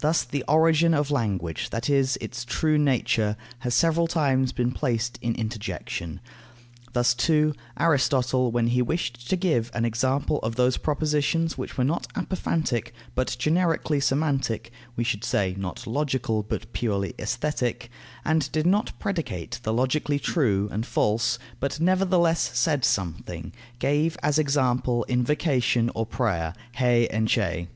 Thus the origin of language, that is, its true nature, has several times been placed in interjection. Thus, too, Aristotle, when he wished to give an example of those propositions which were not apophantic, but generically semantic (we should say, not logical, but purely Aesthetic), and did not predicate the logically true and false, but nevertheless said something, gave as example invocation or prayer, hae enchae.